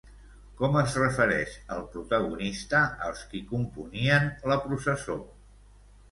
Com es refereix el protagonista als qui componien la processó?